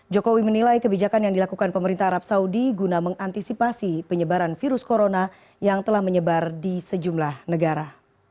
jokowi menilai kebijakan yang dilakukan pemerintah arab saudi guna mengantisipasi penyebaran virus corona yang telah menyebar di sejumlah negara